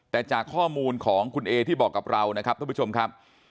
แต่จากข้อมูลของคุณเอที่บอกกับเรานะครับท่านผู้ชมครับ